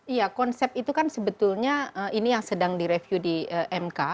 iya konsep itu kan sebetulnya ini yang sedang direview di mk